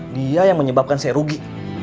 dia yang menyebabkan saya rugi